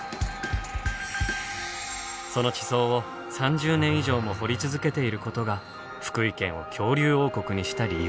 その地層を３０年以上も掘り続けていることが福井県を恐竜王国にした理由。